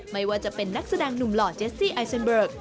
ไม่ว่าจะเป็นนักแสดงหนุ่มหล่อเจสซี่ไอเซ็นเบิร์ก